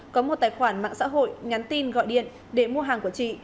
có một tài khoản mạng xã hội nhắn tin gọi điện để mua hàng của chị